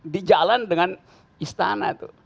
di jalan dengan istana itu